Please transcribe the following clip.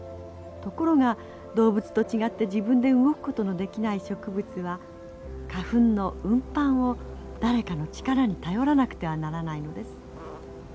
ところが動物と違って自分で動くことのできない植物は花粉の運搬を誰かの力に頼らなくてはならないのです。